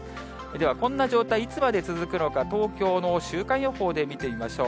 ではこんな状態、いつまで続くのか、東京の週間予報で見てみましょう。